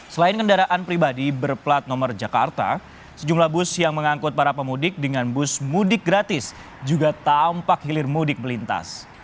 selain kendaraan pribadi berplat nomor jakarta sejumlah bus yang mengangkut para pemudik dengan bus mudik gratis juga tampak hilir mudik melintas